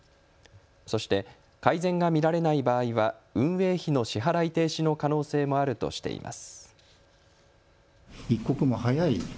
そして改善が見られない場合は運営費の支払い停止の可能性もあるとしています。